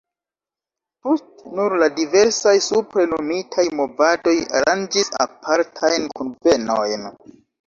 Poste nur la diversaj supre nomitaj movadoj aranĝis apartajn kunvenojn.